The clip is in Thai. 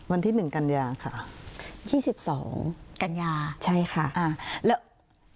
วันที่หนึ่งกันยาค่ะยี่สิบสองกัญญาใช่ค่ะอ่าแล้ว